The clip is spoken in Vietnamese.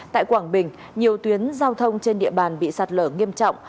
tại quảng bình nhiều tuyến giao thông trên địa bàn bị sạt lở nghiêm trọng